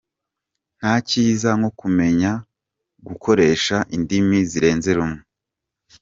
Nta cyiza nko kumenya gukoresha indimi zirenze rumwe